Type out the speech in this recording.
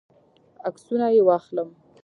عکسونه یې واخلم.